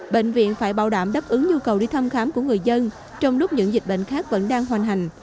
bệnh viện phải bảo đảm đáp ứng nhu cầu đi thăm khám của người dân trong lúc những dịch bệnh khác vẫn đang hoành hành